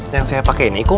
yang saya pakai ini kum